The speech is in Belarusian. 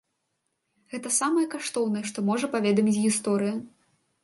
Гэта самае каштоўнае, што можа паведаміць гісторыя.